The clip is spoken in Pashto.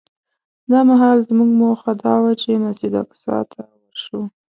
دا مهال زموږ موخه دا وه چې مسجد اقصی ته ورشو.